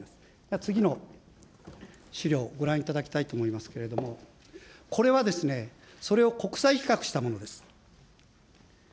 次の資料をご覧いただきたいと思いますけれども、これはそれを国際比較したものです。